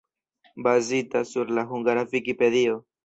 Bazita sur la hungara Vikipedio.